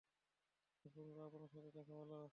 শেষ পর্যন্ত আপনার সাথে দেখা হলো।